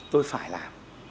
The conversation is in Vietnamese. tôi phải làm